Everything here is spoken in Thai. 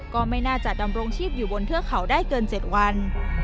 ก็ไม่น่าจะดำรงชีพอยู่บนเทือกเขาได้เกิน๗วัน